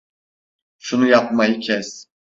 Şunu yapmayı kes!